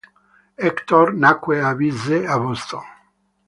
Hector nacque e visse a Boston.